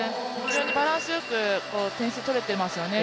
非常にバランスよく点数取れていますよね。